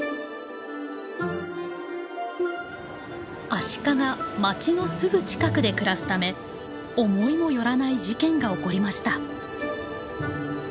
アシカが町のすぐ近くで暮らすため思いもよらない事件が起こりました。